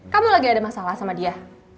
kamu lagi ada masalah sama dia